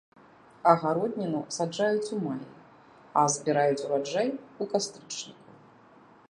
Агародніну саджаюць у маі, а збіраюць ураджай у кастрычніку.